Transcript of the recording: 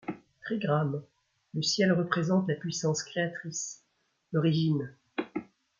trigramme : le ciel représente la puissance créatrice, l’origine.